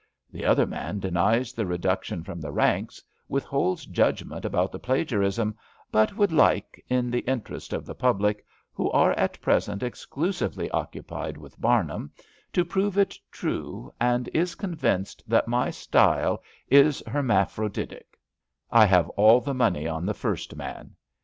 The other man denies the reduction from 244 ABAFT THE FUNNEL the ranks, withholds judgment about the plagia rism, but would like, in the interest of the public — who are at present exclusively occupied with Bamum— to prove it true, and is convinced that my style is *' hermaphroditic/' I have all the money on the first man.